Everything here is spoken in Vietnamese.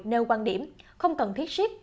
nêu quan điểm không cần thiết xiếp